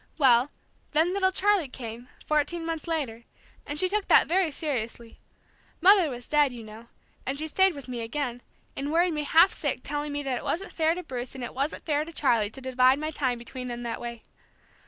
Well, then little Charlie came, fourteen months later, and she took that very seriously. Mother was dead, you know, and she stayed with me again, and worried me half sick telling me that it wasn't fair to Bruce and it wasn't fair to Charlie to divide my time between them that way.